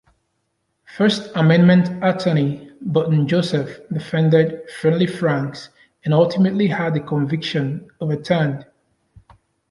First amendment attorney Burton Joseph defended "Friendly Frank's" and ultimately had the conviction overturned.